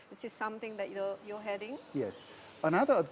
ya ada satu keuntungan yang lain